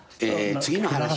次の話。